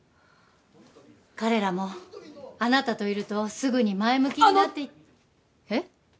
彼らもあなたといるとすぐに前向きになってあのえっ？